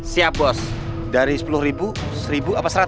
siap bos dari sepuluh ribu seribu apa seratus